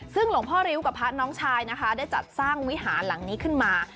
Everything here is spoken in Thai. ซึ่งหลวงพ่อริ้วกับพระน้องชายนะคะได้จัดสร้างวิหารหลังนี้ขึ้นมา